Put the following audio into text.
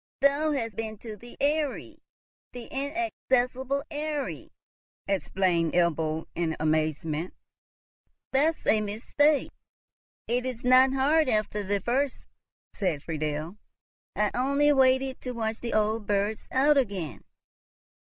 "Thou hast been to the Eyrie—the inaccessible Eyrie!" exclaimed Ebbo, in amazement. "That's a mistake. It is not hard after the first" said Friedel. "I only waited to watch the old birds out again."